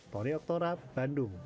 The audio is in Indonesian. tony oktora bandung